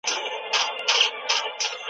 دوه کېلو له يوه زياتي دي.